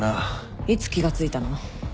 いつ気が付いたの？